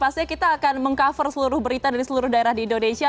pasti kita akan meng cover seluruh berita dari seluruh daerah di indonesia